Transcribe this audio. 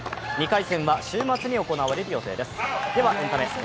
２回戦は週末に行われる予定です。